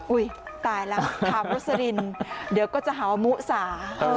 อุ๊ยตายล่ะถามวุษลินเดี๋ยวก็จะหาวมุสา